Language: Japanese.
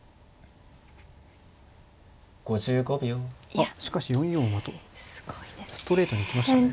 あっしかし４四馬とストレートに行きましたね。